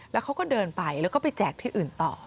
แล้วเขาก็เดินไปแล้วก็ไปแจกที่อื่นต่อ